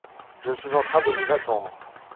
Je suis en train de vous attendre.